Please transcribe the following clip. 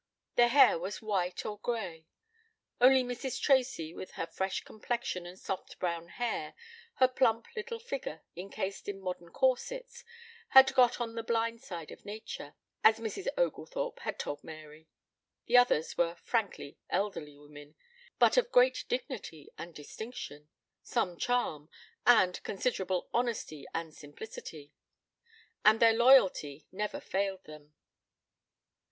Their hair was white or gray. Only Mrs. Tracy, with her fresh complexion and soft brown hair, her plump little figure encased in modern corsets, had got on the blind side of nature, as Mrs. Oglethorpe had told Mary. The others were frankly elderly women, but of great dignity and distinction, some charm, and considerable honesty and simplicity. And their loyalty never failed them.